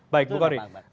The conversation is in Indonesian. baik bu gori